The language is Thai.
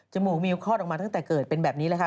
มูกมิวคลอดออกมาตั้งแต่เกิดเป็นแบบนี้แหละค่ะ